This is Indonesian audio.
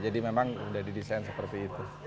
jadi memang udah didesain seperti itu